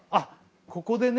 ここでね